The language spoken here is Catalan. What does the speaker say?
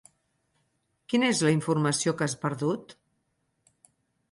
Quina és la informació que has perdut?